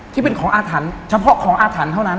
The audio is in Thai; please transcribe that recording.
ที่เป็นของอาถรรพ์เฉพาะของอาถรรพ์เท่านั้น